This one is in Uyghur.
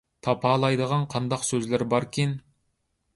تاپىلايدىغان قانداق سۆزلىرى باركىن؟